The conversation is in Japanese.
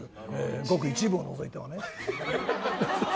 ごく一部を除いてはね。